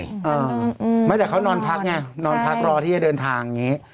เมื่อที่เขานอนพักเนี่ยนอนพักรอที่จะเดินทางอย่างนี้